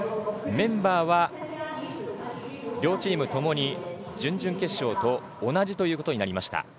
メンバーは、両チーム共に準々決勝と同じということになりました。